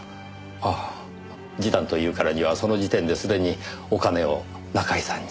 ああ示談というからにはその時点ですでにお金を中居さんに？